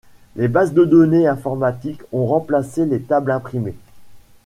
Les bases de données informatiques ont remplacé les tables imprimées.